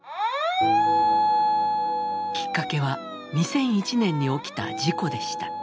きっかけは２００１年に起きた事故でした。